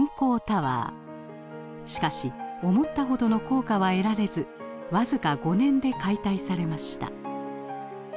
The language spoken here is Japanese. しかし思ったほどの効果は得られず僅か５年で解体されました。